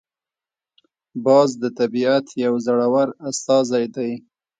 باز د طبیعت یو زړور استازی دی